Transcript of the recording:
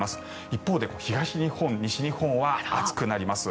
一方で東日本、西日本は暑くなります。